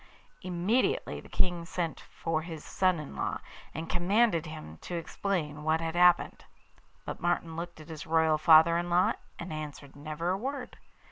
Immediately the King sent for his son in law, and commanded him to explain what had happened. But Martin looked at his royal father in law, and answered never a word.